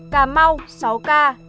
cà mau sáu ca